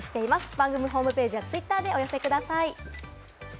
番組ホームページやツイッターでお寄せください。